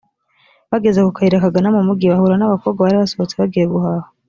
bageze ku kayira kagana mu mugi bahura n abakobwa bari basohotse bagiye guhaha